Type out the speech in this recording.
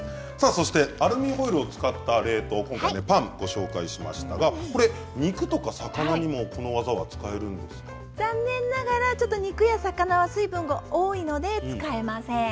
そしてアルミホイルを使った冷凍でパンをご紹介しましたが肉とか魚にも残念ながら肉や魚は水分が多いので使えません。